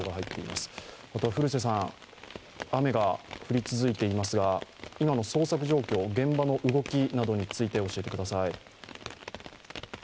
また、古瀬さん、雨が降り続いていますが、今の捜索状況、現場の動きなどについて教えてください。